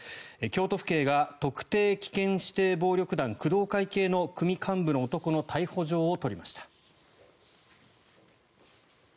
京都府警が特定危険指定暴力団工藤会系の組幹部の男の逮捕状を取りました。